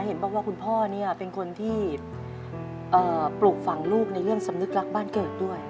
เห็นบอกว่าคุณพ่อเนี่ยเป็นคนที่ปลูกฝังลูกในเรื่องสำนึกรักบ้านเกิดด้วย